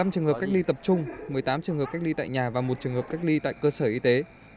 một mươi trường hợp cách ly tập trung một mươi tám trường hợp cách ly tại nhà và một trường hợp cách ly tại cơ sở y tế